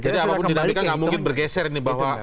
jadi apapun dinamika gak mungkin bergeser ini